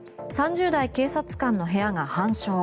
３０代警察官の部屋が半焼。